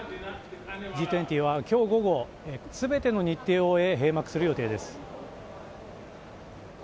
Ｇ２０は今日午後全ての日程を終え閉幕する予定です。